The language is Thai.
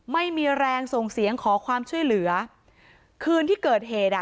ไม่มีแรงส่งเสียงขอความช่วยเหลือคืนที่เกิดเหตุอ่ะ